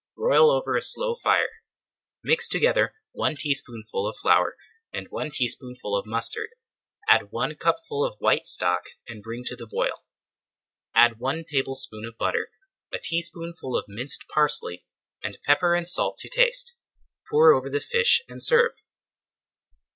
Broil over a slow fire. Mix together one teaspoonful of flour and one tablespoonful of mustard. Add one cupful of white stock and bring to the boil. Add one tablespoonful of butter, a teaspoonful of minced parsley, and pepper and salt to taste. Pour over the fish and serve.